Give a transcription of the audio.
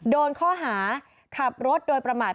โดนข้อหาขับรถโดยประมาท